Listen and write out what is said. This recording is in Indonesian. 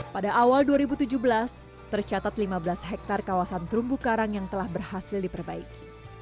pada awal dua ribu tujuh belas tercatat lima belas hektare kawasan terumbu karang yang telah berhasil diperbaiki